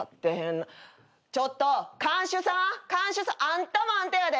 ちょっと看守さん看守さんあんたもあんたやで。